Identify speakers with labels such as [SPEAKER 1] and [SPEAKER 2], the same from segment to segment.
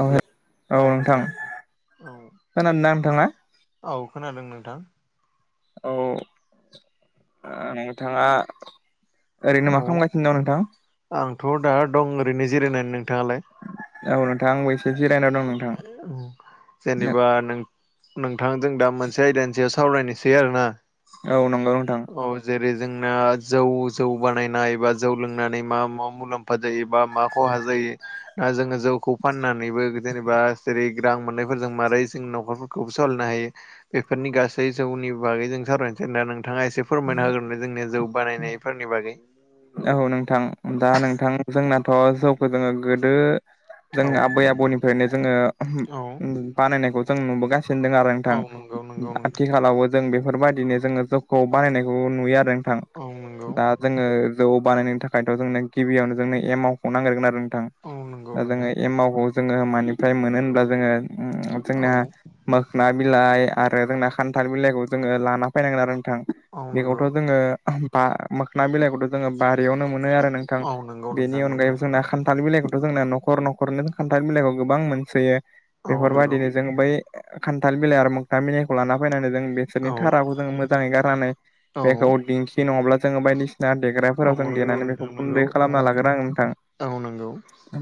[SPEAKER 1] औ
[SPEAKER 2] हेल'
[SPEAKER 1] औ नोंथां
[SPEAKER 2] औ
[SPEAKER 1] खोनादोंना नोंथाङा?
[SPEAKER 2] औ खोनादों नोंथां।
[SPEAKER 1] औ दा नोंथाङा ओरैनो मा
[SPEAKER 2] औ
[SPEAKER 1] खालामगासिनो दं नोंथां?
[SPEAKER 2] आंथ' दा दं ओरैनो जिरायनानै। नोंथाङालाय?
[SPEAKER 1] औ नोंथां आंबो एसे जिरायना दं
[SPEAKER 2] जेनेबा नोंथां जों दा मोनसे आयदानि स सावरायनोसै आरोना।
[SPEAKER 1] औ नंगौ नोंथां।
[SPEAKER 2] औ जेरै जोंना जौ जौ बानायनाय एबा जौ लोंनानै मा मा मुलाम फा जायो बा मा ख'हा जायो ना जोङो जौखौ फाननानैबो जेनेबा जेरै रां मोननायफोरजों मारै जों न'खरफोरखौबो सालायनो हायो। बेफोरनि गासै जौनि बागै जों सावरायनोसै दा नोंथाङा एसे फोरमायना होगोरदो जोंनिया जौ बानायनायफोरनि बागै।
[SPEAKER 1] औ नोंथां दा नोंथां जोंनाथ' जौखौ जोङो गोदो जों
[SPEAKER 2] औ
[SPEAKER 1] आबै आबौनिफ्रायनो जोङो ओहम
[SPEAKER 2] औ
[SPEAKER 1] ओम बानायनायखौ जों नुबोगासिनो दों आरो।
[SPEAKER 2] औ
[SPEAKER 1] नोंथां
[SPEAKER 2] नंगौ नंगौ नोंथां
[SPEAKER 1] आथिखालावबो जों बेफोरबायदिनो जोङो जौखौ बानायनायखौ नुयो आरो नोंथां
[SPEAKER 2] औ नंगौ
[SPEAKER 1] दा जोङो जौ बानायनो थाखायथ' जोंनो गिबियावनो जोंनो एमावखौ नांगोरगोन आरो नोंथां।
[SPEAKER 2] औ नंगौ
[SPEAKER 1] दा जोङो
[SPEAKER 2] नोंथां
[SPEAKER 1] एमावखौ जोङो मानिफ्राय मोनो होनब्ला जोङो जोंना
[SPEAKER 2] औ
[SPEAKER 1] मोखोना बिलाइ आरो जोंना खान्थाल बिलाइखौ जोङो लाना फायनांगोन आरो नोंथां
[SPEAKER 2] औ नंगौ
[SPEAKER 1] खौथ' जोङो बा मोखोनना बिलाइखौथ' जोङो बारियावनो मोनो आरो नों थां
[SPEAKER 2] औ नंगौ
[SPEAKER 1] बेनि
[SPEAKER 2] नोंथां
[SPEAKER 1] अनगायै
[SPEAKER 2] नंगौ
[SPEAKER 1] जोंना खान्थाल बिलाइखौथ' जोंना न'खर न' नखरनो खान्थाल बिलाइखौ गोबां मोनसोयो
[SPEAKER 2] औ नंगौ
[SPEAKER 1] बेफोरबायदिनो जों बै खान्थाल बिलाइ आरो मोखना बिलाइखौ लाना फायनानै जों बिसोरनि
[SPEAKER 2] औ
[SPEAKER 1] थाराखौ जों मोजाङै गारनानै
[SPEAKER 2] औ
[SPEAKER 1] बेखौ दिंखि नङाब्ला जोङो बायदि ना
[SPEAKER 2] औ
[SPEAKER 1] देग्राफोराव जों
[SPEAKER 2] नंगौ
[SPEAKER 1] देनानै बेखौ
[SPEAKER 2] नोंथां नंगौ
[SPEAKER 1] गुन्दै
[SPEAKER 2] औ
[SPEAKER 1] खालामना लागोरनाङो नोंथां।
[SPEAKER 2] औ नंगौ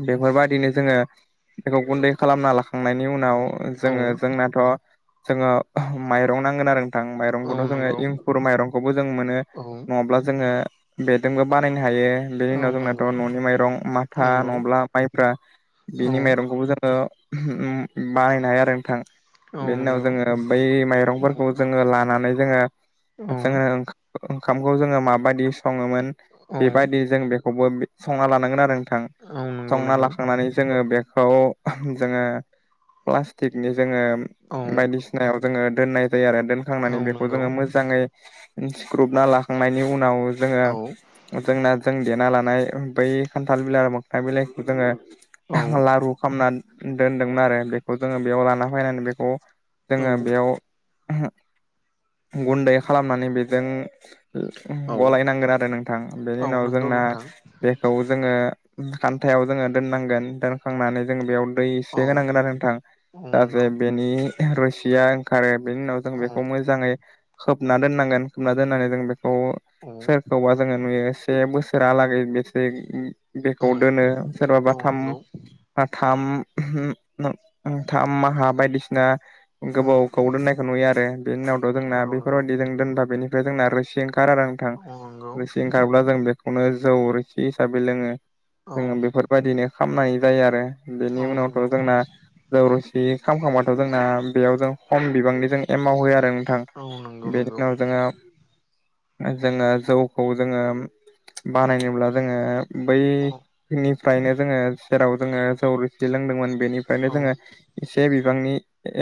[SPEAKER 1] बेफोरबायदिनो जोङो बेखौ गुन्दै खालामना लाखांनायनि उनाव
[SPEAKER 2] औ
[SPEAKER 1] जोङो जोंनाथ' जोङो माइरं नांगोन आरो नोंथां
[SPEAKER 2] औ
[SPEAKER 1] माइरंखौथ' जोङो
[SPEAKER 2] नंगौ
[SPEAKER 1] हुरु माइरंखौबो जों मोनो
[SPEAKER 2] औ
[SPEAKER 1] नङाब्ला जोङो बेदोंबो बानायनो हायो। बेनि
[SPEAKER 2] औ
[SPEAKER 1] उनाव जोंनाथ'
[SPEAKER 2] नंगौ
[SPEAKER 1] न'नि माइरं माथा
[SPEAKER 2] नंगौ
[SPEAKER 1] नङाब्ला माइब्रा
[SPEAKER 2] औ
[SPEAKER 1] बिनि माइरंखौबो जोङो बानायनो हायो आरो नोंथां।
[SPEAKER 2] औ
[SPEAKER 1] बेनि उनाव
[SPEAKER 2] नंगौ औ
[SPEAKER 1] जोङो बै माइरंफोरखौ जोङो लानानै जोङो।
[SPEAKER 2] औ
[SPEAKER 1] जोङो ओंखामखौ जोङो माबायदि सङोमोन बेबायदि जों बे खौबो संना लानांगोन आरो नोंथां।
[SPEAKER 2] औ नंगौ
[SPEAKER 1] संना
[SPEAKER 2] नोंथां
[SPEAKER 1] लाखांनानै जोङो बेखौ जोङो प्लास्टिकनि जोङो
[SPEAKER 2] औ
[SPEAKER 1] बायदिसिनायाव जोङो दोननाय जायो आरो दोन
[SPEAKER 2] औ
[SPEAKER 1] खांनानै बेखौ
[SPEAKER 2] नंगौ
[SPEAKER 1] जोङो मोजाङै सिख्रबना लाखांनायनि उनाव जोङो
[SPEAKER 2] औ
[SPEAKER 1] जोंना जों देना लानाय बै खान्थाल बिलाइ आरो मोखना बिलाइखौ जोङो
[SPEAKER 2] औ
[SPEAKER 1] लारु खामना दोनदोंमोन आरो बेखौ जोङो बेयाव लाना फायनानै बेखौ
[SPEAKER 2] औ
[SPEAKER 1] जोङो बेयाव गुन्दै खालामनानै बेजों
[SPEAKER 2] औ
[SPEAKER 1] गलायनांगोन आरो नोंथां बेनि
[SPEAKER 2] औ
[SPEAKER 1] उनाव
[SPEAKER 2] नंगौ
[SPEAKER 1] जोंना
[SPEAKER 2] नोंथां
[SPEAKER 1] बेखौ जोङो खान्थायाव जोङो दोननांगोन दोनखांनानै जोङो बेयाव बै
[SPEAKER 2] औ
[SPEAKER 1] से होनांगोन आरो नोंथां
[SPEAKER 2] औ
[SPEAKER 1] जाथे
[SPEAKER 2] नंगौ
[SPEAKER 1] बेनि रोसिया ओंखारो बेनि उनाव जों
[SPEAKER 2] औ
[SPEAKER 1] बेखौ मोजाङै खोबना दोननांगोन खोबना दोननानै जों बेखौ
[SPEAKER 2] औ
[SPEAKER 1] सोरखौबा जोङो नुयो से बोसोरालागै बेसे बेखौ दोनो
[SPEAKER 2] औ
[SPEAKER 1] सोरबाबा
[SPEAKER 2] औ
[SPEAKER 1] थाम
[SPEAKER 2] नंगौ
[SPEAKER 1] बा थाम थाम माहा बायदिसिना
[SPEAKER 2] ओं
[SPEAKER 1] गोबावखौ दोननायखौ नुयो आरो बेनि उनावथ' जोंना
[SPEAKER 2] नंगौ
[SPEAKER 1] बि
[SPEAKER 2] नंगौ
[SPEAKER 1] जों दोनबा बेनिफ्राय जोंना रोसि ओंखारो आरो नोंथां
[SPEAKER 2] औ नंगौ
[SPEAKER 1] रोसि ओंखारब्ला जों बे खौनो जौ रोसि हिसाबै लोङो
[SPEAKER 2] औ
[SPEAKER 1] जोङो बेफोरबायदिनो खामनाय जायो आरो बेनि
[SPEAKER 2] औ नंगौ
[SPEAKER 1] उनावथ' जोंना जौ रोसि खामखांबाथ' जोंना बेयाव जों खम बिबांनि जों एमाव होयो आरो नोंथां
[SPEAKER 2] औ नों
[SPEAKER 1] बेनि उनाव जोङो जोङो जौखौ जोङो
[SPEAKER 2] औ
[SPEAKER 1] बानायनोब्ला जोङो
[SPEAKER 2] औ
[SPEAKER 1] बैनिफ्रायनो जोङो जेराव जोङो जौ लोंदोंमोन बेनिफ्रायनो
[SPEAKER 2] औ
[SPEAKER 1] जोङो एसे बिबांनि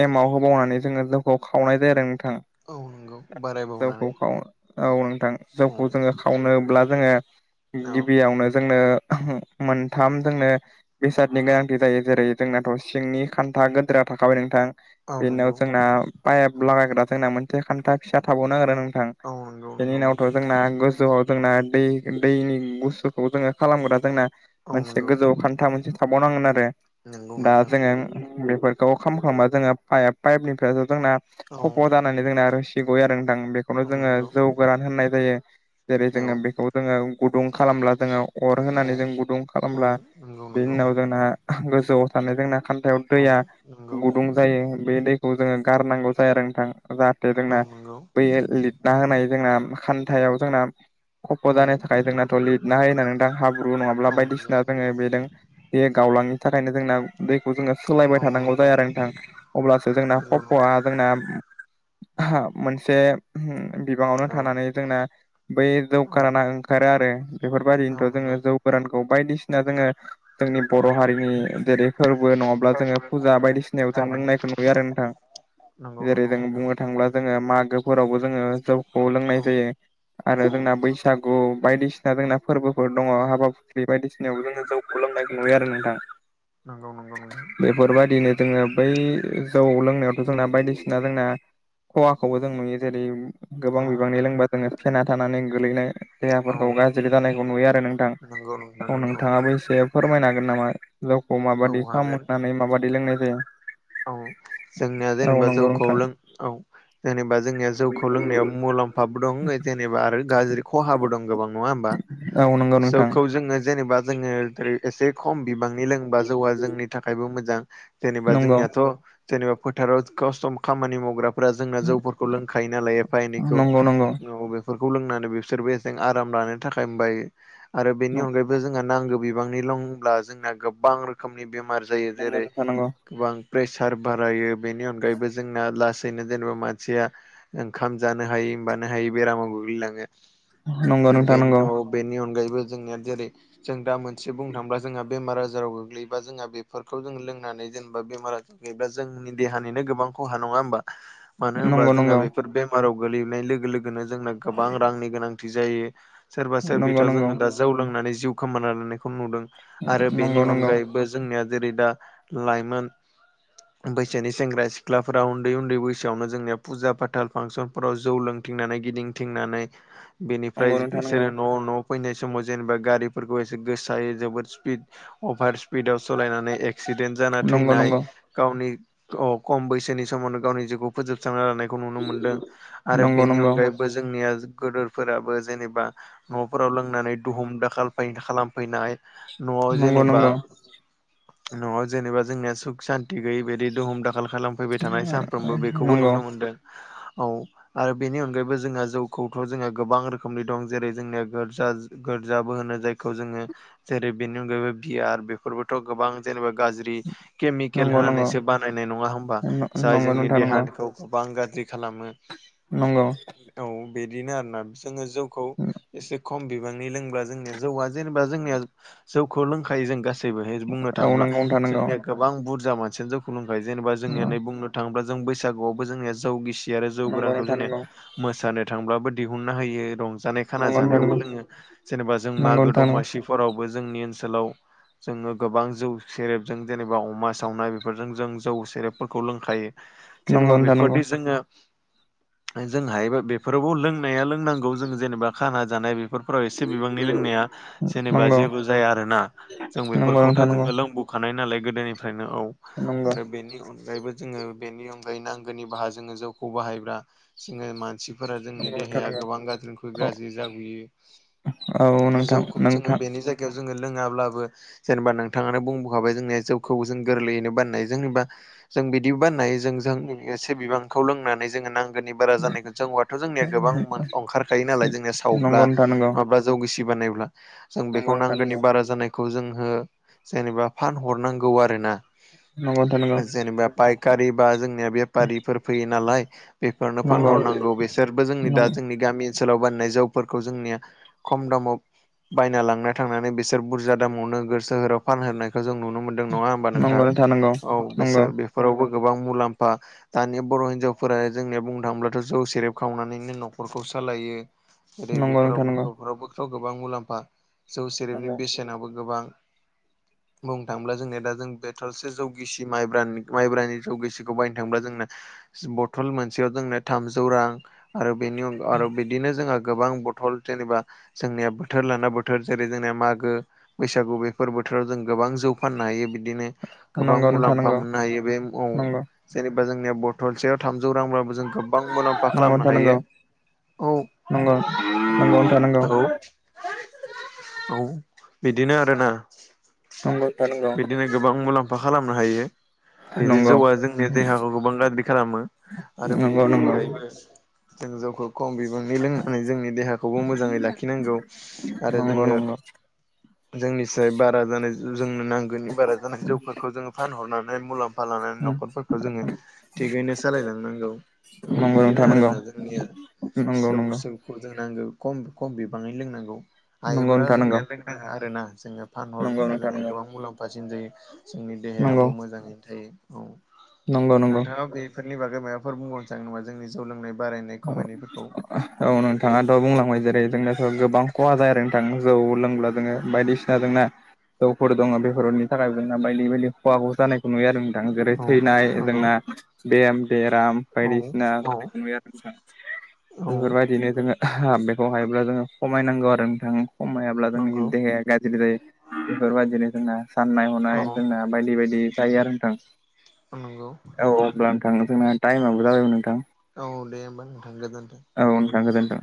[SPEAKER 1] एमाव होबावनानै जोङो जौखौ खावनाय जायो आरो नोंथां।
[SPEAKER 2] औ नोंगौ
[SPEAKER 1] जौखौ खावो औ नोंथां
[SPEAKER 2] औ
[SPEAKER 1] जौखौ जोङो खावनोब्ला जोङो
[SPEAKER 2] औ
[SPEAKER 1] गिबियावनो जोंनो मोनथाम जोंनो बेसादनि
[SPEAKER 2] औ
[SPEAKER 1] गोनांथि जायो जेरै जोंनाथ सिंनि खान्था गोदोरा थाखाबाय नोंथां
[SPEAKER 2] औ
[SPEAKER 1] बेनिनाव
[SPEAKER 2] नंगौ
[SPEAKER 1] जोंना पाइब लागायग्रा जोंना मोनथे खान्था फिसा थाबावनो नागिरो नोंथां।
[SPEAKER 2] औ नंगौ
[SPEAKER 1] बेनि
[SPEAKER 2] नंगौ
[SPEAKER 1] उनावथ
[SPEAKER 2] नोंथां
[SPEAKER 1] जोंना गोजौयाव जोंना दै दैनि गुसुखौ जोङो खालामग्रा जोंना
[SPEAKER 2] औ
[SPEAKER 1] मोनसे
[SPEAKER 2] नंगौ
[SPEAKER 1] गोजौ खान्था मोनसे थाबावनांगोन आरो
[SPEAKER 2] नंगौ
[SPEAKER 1] दा
[SPEAKER 2] नोंथां
[SPEAKER 1] जोङो बेफोर खौ खालामखांबा जोङो पाइप पाइपनिफ्रायथ जोंना
[SPEAKER 2] औ
[SPEAKER 1] खफ' दानानै दोंना रोसि गयो आरो नोंथां बे खौनो
[SPEAKER 2] औ
[SPEAKER 1] जोङो
[SPEAKER 2] नंगौ
[SPEAKER 1] जौ गोरान होननाय जायो जेरै
[SPEAKER 2] औ
[SPEAKER 1] जोङो बेखौ दोङो गुदुं खालामब्ला जोङो अर होनानै जों गुदुं
[SPEAKER 2] औ
[SPEAKER 1] खालामब्ला
[SPEAKER 2] नंगौ
[SPEAKER 1] बेनि
[SPEAKER 2] नंगौ
[SPEAKER 1] उनाव जोंना गोजौआव थानाय जोंना खान्थायाव
[SPEAKER 2] औ
[SPEAKER 1] दैया
[SPEAKER 2] नंगौ
[SPEAKER 1] गुदुं जायो बे दैखौ जोङो गारनांगौ जाया आरो नोंथां जाहाथे
[SPEAKER 2] औ
[SPEAKER 1] जोंना
[SPEAKER 2] नंगौ
[SPEAKER 1] बैयो लिदना होनाय जोंना खान्थायाव जोंना खफ'
[SPEAKER 2] औ
[SPEAKER 1] जानो थाखाय जोंनाथ' लिदना होयो ना नोंथां हाब्रु नङाब्ला
[SPEAKER 2] औ नंगौ
[SPEAKER 1] बायदिसिना जोङो
[SPEAKER 2] नंगौ
[SPEAKER 1] बेदों बे गावलांनि थाखायनो जोंना दैखौ जोङो सोलायबाय
[SPEAKER 2] औ
[SPEAKER 1] थानांगौ
[SPEAKER 2] नंगौ
[SPEAKER 1] जायो आरो नोंथां अब्लासो जोंना
[SPEAKER 2] नंगौ
[SPEAKER 1] खफ आ
[SPEAKER 2] नंगौ
[SPEAKER 1] जोंना मोनसे बिबाङावनो
[SPEAKER 2] औ
[SPEAKER 1] थानानै जोंना बे जौ
[SPEAKER 2] औ
[SPEAKER 1] खाराना ओंखारो आरो बेफोरबायदिनोथ
[SPEAKER 2] नंगौ
[SPEAKER 1] जोङो जौ गोरानखौ बायदिसिना जोङो जोंनि बर
[SPEAKER 2] औ
[SPEAKER 1] हारिनि जेरै फोरबो नङाब्ला जोङो फुजा बायदिसिनायाव जों
[SPEAKER 2] औ
[SPEAKER 1] लोंनायखौ नुयो आरो नोंथां।
[SPEAKER 2] नंगौ नंगौ नोंथां
[SPEAKER 1] थांब्ला जोङो मागोफोरावबो जोङो जौखौ लोंनाय जायो। आरो
[SPEAKER 2] औ
[SPEAKER 1] जोंना बैसागु बायदिसिना जोंना फोरबोफोर दङ
[SPEAKER 2] औ
[SPEAKER 1] हाबा बे बायदिसिनायावबो जोङो जौखौ लोंनायखौ नुयो आरो नोंथां।
[SPEAKER 2] नंगौ नंगौ नोंथां
[SPEAKER 1] बेफोरबायदिनो जोङो बै जौ लोंनायावथ' जोंना बायदिसिना जोंना खहाखौबो जों नुयो जेरै गोबां
[SPEAKER 2] औ
[SPEAKER 1] बिबांनि लोंबा जोङो फेना थानानै गोलैनाय
[SPEAKER 2] औ
[SPEAKER 1] देहाफोरखौ गाज्रि जानायखौ नुयो आरो नोंथां
[SPEAKER 2] नंगौ नोंथां
[SPEAKER 1] औ
[SPEAKER 2] नंगौ
[SPEAKER 1] नोंथाङाबो एसे फोरमायनो हागोन नामा? जौखौ
[SPEAKER 2] औ
[SPEAKER 1] माबादि
[SPEAKER 2] हागोन
[SPEAKER 1] सामखांनानै माबादि लोंनाय जायो?
[SPEAKER 2] औ जोंनिया
[SPEAKER 1] औ
[SPEAKER 2] जेनेबा
[SPEAKER 1] नंगौ
[SPEAKER 2] जौखौ
[SPEAKER 1] नोंथां
[SPEAKER 2] लों औ जेनेबा जोंनिया जौखौ लोंनायाव मुलाम्फाबो दं जेनेबा आरो गाज्रि खहाबो दं गोबां नङा होमबा
[SPEAKER 1] औ नंगौ नोंथां
[SPEAKER 2] जौखौ जोङो जेनेबा जोङो ओरै एसे खम बिबां नि लोंबा जौवा जोंनि थाखायबो मोजां जेनेबा
[SPEAKER 1] नंगौ
[SPEAKER 2] जोंनिया त' जेनेबा फोथाराव खसथ' खामानि मावग्रा फोरा जोंना जौफोरखौ लोंखायो नालाय एफा एनैखौ
[SPEAKER 1] नंगौ नंगौ
[SPEAKER 2] औ बेफोरखौ लोंनानै बिसोरबो एसें आराम लानो थाखायबायो आरो बेनि अनगायै बो जोंहा नांगौ बिबांनिल लोंब्ला जोंना गोबां रोखोमनि बेमार जायो
[SPEAKER 1] नंगौ
[SPEAKER 2] जेरै
[SPEAKER 1] नोंथां नंगौ
[SPEAKER 2] गोबां प्रेसार बारायो बेनि अनगायैबो जोंना लास नै जेनेबा मानसिया ओंखाम जानो हायै बाननो हायै बेरामाव गोग्लैलाङो।
[SPEAKER 1] नंगौ नोंथां
[SPEAKER 2] बेनथ'
[SPEAKER 1] नंगौ
[SPEAKER 2] औ बेनि अनगायैबो जोंनिया जेरै जों दा मोनसे बुंनो थांब्ला जोंहा बेमार आजाराव गोग्लैयोबा जोंहा बेफोरखौ जों लोंनानै जेनेबा बेमार आजा एबा जोंनि देहानिनो गोबां खहा नङा ओमबा मानो होनबा
[SPEAKER 1] नंगौ
[SPEAKER 2] जोंहा
[SPEAKER 1] नंगौ
[SPEAKER 2] बेफोर बे बेमाराव गोलैनाय लोगो लोगोनो जोंना गोबां रांनि गोनांथि जायो सोरबा
[SPEAKER 1] नंगौ
[SPEAKER 2] सोरबिथ'
[SPEAKER 1] नंगौ
[SPEAKER 2] जोङो दा जौ लोंनानै जिउ खोमा लानायखौ नुदों आरो
[SPEAKER 1] नंगौ
[SPEAKER 2] बेनि
[SPEAKER 1] नंगौ
[SPEAKER 2] अनगायैबो जोंनिया जेरै दा लाइमोन बैसोनि सेंग्रा सिख्लाफोरा उन्दै उन्दै बैसोआवनो जोंनिया फुजा फाथाल फांसन फोराव जौ लोंथिंनानै गिदिंथिंनानै बेनिफ्राय
[SPEAKER 1] नंगौ नोंथां नंगौ
[SPEAKER 2] बिसोरो न' न' फैनाय समाव जेनबा गारिफोरखौ एसे गोसायै जोबोद स्पिड अभार स्पिडाव सलायनानै एक्सिडेन्ट जाना
[SPEAKER 1] नंगौ
[SPEAKER 2] थैनाय गावनि अ खम बैसोनि समावनो गावनि जिउखौ फोजोबस्रांना लानायखौ नुनो मोनदों आरो
[SPEAKER 1] नंगौ
[SPEAKER 2] बेनि
[SPEAKER 1] नंगौ
[SPEAKER 2] अनगायैबो जोंनिया गोदोरफोराबो जेनेबा न'फोराव लोंनानै दुम दाखाल खालामफैनाय न'वाव
[SPEAKER 1] नंगौ
[SPEAKER 2] जेनेबा
[SPEAKER 1] नंगौ
[SPEAKER 2] न'वाव जेनेबा जोंनिया सुख सान्ति गैयि बिदि दुम दाखाल खालामफैबाय थानाय सानफ्रोमबो बेखौबो
[SPEAKER 1] नंगौ
[SPEAKER 2] नुनो मोनदों औ आरो बेनि अनगायैबो जोंहा जौखौथ' जोंहा गोबां रोखोमनि दं जेरै जोंनिया गोरजा गोरजाबो होनो जाय खौ जोङो जेरै बेनि अनगायैबो बियार बेफोरबोथ' गोबां जेनेबा गाज्रि केमि केल
[SPEAKER 1] नंगौ नंगौ
[SPEAKER 2] होनानैसो बानायनाय नङा ओमबा जाय
[SPEAKER 1] नंगौ
[SPEAKER 2] जोंनि
[SPEAKER 1] नोंथां नंगौ
[SPEAKER 2] देहाखौ गोबां गाज्रि खालामो
[SPEAKER 1] नंगौ
[SPEAKER 2] औ बिदिनो आरोना जोङो जौखौ एसे खम बिबांनि लोंब्ला जोंनि जौवा जेनेबा जोंनिया जौखौ लोंखायो जों गासैबोहाय बुंनो
[SPEAKER 1] औ
[SPEAKER 2] थाङोब्ला
[SPEAKER 1] नंगौ नोंथां नंगौ
[SPEAKER 2] जोंनिया गोबां बुरजा मानसियानो जौखौ लोंबाय जेनेबा जोंनिया नै बुंनो थाङोब्ला जों बैसागुआवबो जोंनिया जौ गिसि आरो जौ गोरानखौ
[SPEAKER 1] नंगौ नोंथां
[SPEAKER 2] जोंनिया
[SPEAKER 1] नंगौ
[SPEAKER 2] मोसानो थांब्लाबो दिहुननो होयो रं जानाय खाना जानायावबो लोङो जेनेबा जों
[SPEAKER 1] नंगौ
[SPEAKER 2] मागो
[SPEAKER 1] नोंथां
[SPEAKER 2] दमासि फोरावबो जोंनि ओनसोलाव जोङो गोबां जौ सेरेब ज' जेनेबा अमा सावनाय बेफोरजों जों जौ सेरेबफोरखौ लोंखायो
[SPEAKER 1] नंगौ नोंथां नंगौ
[SPEAKER 2] जेनेबा
[SPEAKER 1] नोंथां नंगौ
[SPEAKER 2] बेफोरदि जोङो जों हायोबा बेफोरावबो लोंनाया लोंनांगौ जों जेनेबा खाना जानाय बेफोर फोराव एसे बिबांनि लोंनाया
[SPEAKER 1] नंगौ नंगौ
[SPEAKER 2] जेनेबा
[SPEAKER 1] नोंथां
[SPEAKER 2] जेबो जाया आरोना
[SPEAKER 1] नंगौ
[SPEAKER 2] जों बेफोरखौथ' जोङो लोंबो खानाय नालाय गोदोनिफ्रायनो औ आरो बेनि अनगायैबो जोङो बेनि अनगायै नांगौनि बाहा जोङो जौखौ बाहायब्ला जोङो मानसि फोरा जोंनि
[SPEAKER 1] नोंथां
[SPEAKER 2] देहाया
[SPEAKER 1] नंगौ
[SPEAKER 2] गोबां गाज्रिनिखुय
[SPEAKER 1] औ
[SPEAKER 2] गाज्रि जाबोयो
[SPEAKER 1] औ नोंथां
[SPEAKER 2] जौखौ जोङो
[SPEAKER 1] नोंथां
[SPEAKER 2] बेनि जोङो लोङाब्लाबो जेनेबा नोंथाङानो बुंबोखाबाय जोंनिया जौ खौ जों गोरलैयैनो बानायनाय जेनेबा जों बिदिबो बानायनो हायो जों जों एसे बिबांखौ लोंनानै जोङो नांगौ नि बारा जानायखौ जौयाथ' जोंनिया गोबां ओंखारखायो नालाय जोंनिया सावब्ला
[SPEAKER 1] नंगौ नोंथां नंगौ
[SPEAKER 2] नङाब्ला जौ गिसि बानायब्ला जों
[SPEAKER 1] नंगौ
[SPEAKER 2] बेखौ
[SPEAKER 1] नोंथां
[SPEAKER 2] नांगौनि
[SPEAKER 1] नंगौ
[SPEAKER 2] बारा जानायखौ जों जेन'बा फानहरनांगौ गौ आरोना
[SPEAKER 1] नंगौ नोंथां नंगौ
[SPEAKER 2] जेनेबा फायखारि बा जोंनि बेफारि फैयो नालाय बेफोरनो
[SPEAKER 1] नंगौ
[SPEAKER 2] फानहरनांगौ बिसोरबो जोंनि दा जोंनि गामि ओनसोलाव बानायनाय जौफोरखौ जोंनिया खम दामाव बायना लांनाय थांनानै बिसोर बुरजा दामाव नोगोर सोहोराव फानहोनायनायखौ जों नुनो मोन दों नङा होमबा नोंथां
[SPEAKER 1] नंगौ नंगौ
[SPEAKER 2] औ
[SPEAKER 1] नंगौ
[SPEAKER 2] बेसोर बेफोरावबो गोबां मुलाम्फा दानिया बर' हिन्जावफोरा जोंनिया बुंनो थाङोब्लाथ' जौ सेरेब खावनानैनो न'खरखौ सालायो। जेरै
[SPEAKER 1] नंगौ नोंथां
[SPEAKER 2] बेफोरावबो
[SPEAKER 1] नंगौ
[SPEAKER 2] बेफोरावबोथ' गोबां मुलाम्फा जौ सेरेफनि बेसेनाबो गोबां बुंनो थाङोला जों जोंनिया दा जों बथलसे जौ गिसि माइब्रा माइब्रानि जौगिसिखौ बायनो थाङोब्ला जोंना बथल मोनसेयाव जोंनो थामजौ रां आरो बेनि अनगा आरो बिदिनो जोंहा गोबां बथल जेनेबा जोंनिया बोथोर लाना बोथोर जेरै जोंनिया मागो बैसागु बेफोर बोथोराव जों गोबां जौ फाननो हायो बिदिनो गोबां
[SPEAKER 1] नंगौ नोंथां
[SPEAKER 2] मुलाम्फा
[SPEAKER 1] नंगौ
[SPEAKER 2] मोननो हायो बे औ
[SPEAKER 1] नंगौ
[SPEAKER 2] जेनेबा जोंनिया बथलसेयाव थामजौ रांब्लाबो जों गोबां मुलाम्फा
[SPEAKER 1] नंगौ
[SPEAKER 2] खालामनो
[SPEAKER 1] नोंथां
[SPEAKER 2] हायो
[SPEAKER 1] नंगौ
[SPEAKER 2] औ
[SPEAKER 1] नंगौ
[SPEAKER 2] औ औ बिदिनो आरोना बिदिनो
[SPEAKER 1] [unintelligible]
[SPEAKER 2] गोबां मुलाम्फा खालामनो हायो बिदि
[SPEAKER 1] नंगौ
[SPEAKER 2] जौआ जोंनि देहाखौ गोबां गाज्रि खालामो आरो
[SPEAKER 1] नंगौ
[SPEAKER 2] बेनि
[SPEAKER 1] नोंथां नंगौ
[SPEAKER 2] अनगायैबो जों जौखौ खम बिबांनि लोंनानै जोंनि देहाखौबो मोजाङै लाखिनांगौ आरो
[SPEAKER 1] नंगौ
[SPEAKER 2] जोङो
[SPEAKER 1] नंगौ
[SPEAKER 2] जोंनिसाय बारा जानाय जोंनो नांगौनि बारा जानाय जौफोरखौ जोङो फानहरनानै मुलाम्फा फा लानानै न'खरफोरखौ जोङो थिगैनो सालायलांनांगौ।
[SPEAKER 1] नंगौ
[SPEAKER 2] औ
[SPEAKER 1] नंगौ
[SPEAKER 2] बिदिनो
[SPEAKER 1] नोंथां नंगौ
[SPEAKER 2] आरोना जोंनिया
[SPEAKER 1] नंगौ
[SPEAKER 2] जौ
[SPEAKER 1] नंगौ
[SPEAKER 2] खौ जोंना लोंनांगौ खम खम बिबाङैनो लोंनांगौ
[SPEAKER 1] नंगौ
[SPEAKER 2] हायोब्ला
[SPEAKER 1] नोंथां नंगौ
[SPEAKER 2] जोंनिया लोंनाङा आरोना जोङो
[SPEAKER 1] नंगौ
[SPEAKER 2] फानहरब्ला
[SPEAKER 1] नोंथां
[SPEAKER 2] जोङो
[SPEAKER 1] नंगौ
[SPEAKER 2] गोबां मुलाम्फासिन जायो जोंनि
[SPEAKER 1] नंगौ
[SPEAKER 2] देहायाबो मोजाङैनो थायो। औ
[SPEAKER 1] नंगौ नंगौ
[SPEAKER 2] नोंथाङा बेफोरनि बागै माबाफोर बुंबावनो सानो नामा जोंनि जौ लोंनाय बारायनाय खमायनायफोरखौ?
[SPEAKER 1] औ नोंथाङाथ' बुंलांबाय जेरै जोंनाथ' गोबां खहा जाया आरो नोंथां जौ लोंब्ला जोङो बायदिसि दा जोंना जौफोर दङ बेफोरनि थाखायबो जोंना बायदि बायदि खवा ह जानायखौ नुयो आरो जेरै
[SPEAKER 2] औ
[SPEAKER 1] थैनाय
[SPEAKER 2] नंगौ
[SPEAKER 1] जोंना बेम बेराम
[SPEAKER 2] औ
[SPEAKER 1] बायदिसिना
[SPEAKER 2] औ
[SPEAKER 1] जानाय आरो
[SPEAKER 2] औ
[SPEAKER 1] बेफोरबायदिनो जोङो बेखौ हायोब्ला जोङो खमायनांगौ आरो नोंथां। खमायाब्ला
[SPEAKER 2] नंगौ
[SPEAKER 1] जोंनि देहाया गाज्रि जायो बेफोरबायादिनो जोंना साननाय
[SPEAKER 2] औ
[SPEAKER 1] हनाय जोंना बायदि बायदि जायो आरो नोंथां।
[SPEAKER 2] औ नंगौ
[SPEAKER 1] जानो थाङो जोंना टाइम आबो जोंना जाबायमोन नोंथां।
[SPEAKER 2] औ दे होमबा नोंथां गोजोन्थों।
[SPEAKER 1] औ थां गोजोन्थों।